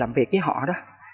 làm việc với họ đó